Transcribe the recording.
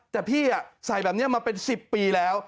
แต่พี่ใส่แบบนี้มาเป็น๑๐ปีแล้ว